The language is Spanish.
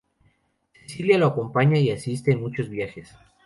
Celia lo acompaña y asiste en muchos viajes.